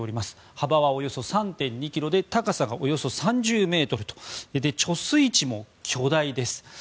幅は、およそ３．２ｋｍで高さは、およそ３０ｍと貯水池も巨大です。